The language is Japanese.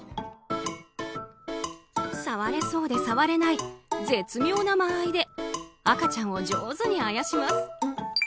触れそうで触れない絶妙な間合いで赤ちゃんを上手にあやします。